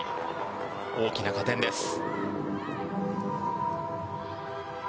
大きな加点です。